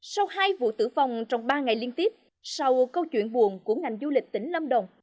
sau hai vụ tử vong trong ba ngày liên tiếp sau câu chuyện buồn của ngành du lịch tỉnh lâm đồng